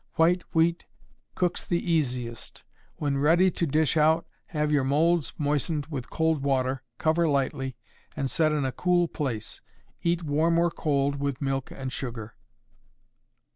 White wheat cooks the easiest. When ready to dish out, have your moulds moistened with cold water, cover lightly, and set in a cool place. Eat warm or cold with milk and sugar.